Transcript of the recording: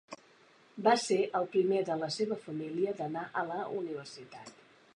Va ser el primer de la seva família d'anar a la universitat.